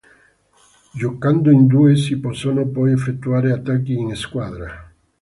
Giocando in due si possono poi effettuare attacchi in squadra.